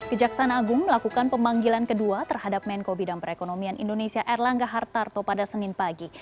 kejaksaan agung melakukan pemanggilan kedua terhadap menko bidang perekonomian indonesia erlangga hartarto pada senin pagi